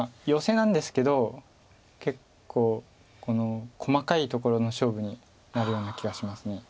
ヨセなんですけど結構細かいところの勝負になるような気がします。